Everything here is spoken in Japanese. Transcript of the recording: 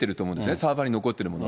サーバーに残っているものは。